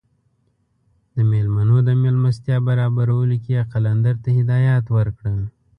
د میلمنو د میلمستیا برابرولو کې یې قلندر ته هدایات ورکړل.